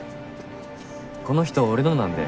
この人俺のなんで。